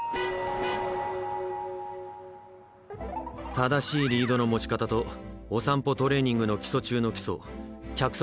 正しいリードの持ち方とお散歩トレーニングの基礎中の基礎脚側